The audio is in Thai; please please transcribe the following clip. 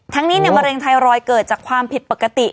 นี้มะเร็งไทรอยด์เกิดจากความผิดปกติ